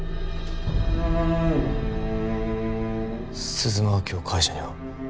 鈴間は今日会社には？